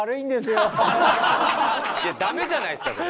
いやダメじゃないですか